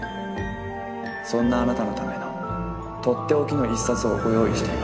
そんなあなたのためのとっておきの一冊をご用意しています。